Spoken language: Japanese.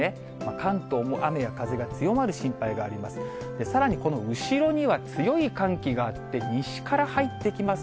関東も雨や風が強まる心配があります。